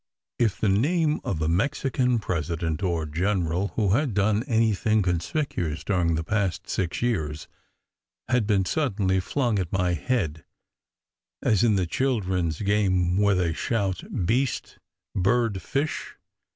If the name of a Mexican president or general who had done anything conspicuous during the past six years had been suddenly flung at my head (as in the children s game where they shout "Beast, Bird, Fish!"